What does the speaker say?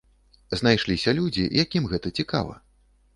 Знайшліся людзі, якім гэта цікава.